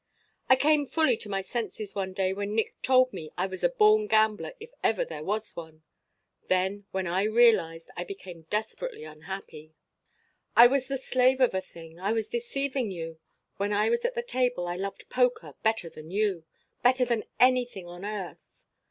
"I came fully to my senses one day when Nick told me I was a born gambler if ever there was one. Then, when I realized, I became desperately unhappy. "I was the slave of a thing. I was deceiving you. When I was at the table I loved poker better than you, better than anything on earth.